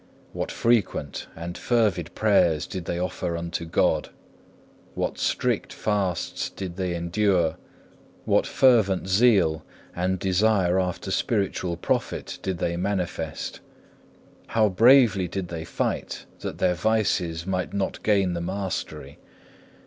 what frequent and fervid prayers did they offer unto God! what strict fasts did they endure! what fervent zeal and desire after spiritual profit did they manifest! how bravely did they fight that their vices might not gain the mastery!